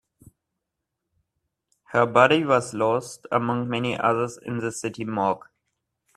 Her body was lost among the many others in the city morgue.